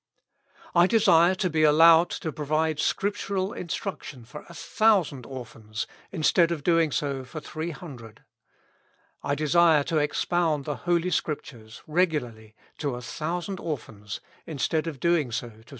" I desire to be allowed to provide scriptural instruction for a thousand orphans, instead of doing so for 300. I desire to ex pound the Holy Scriptures regularly to a thousand orphans, instead of doing so to 300.